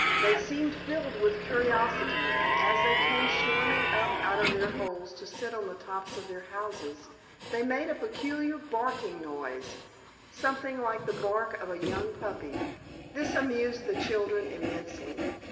They seemed filled with curiosity, and as they came swarming up out of their holes to sit on the tops of their houses, they made a peculiar barking noise, something like the bark of a young puppy. This amused the children immensely.